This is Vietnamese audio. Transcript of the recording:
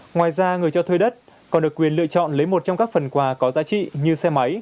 ngoài ra người cho thuê đất còn được quyền lựa chọn lấy một trong các phần quà có giá trị như xe máy